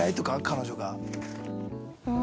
彼女が。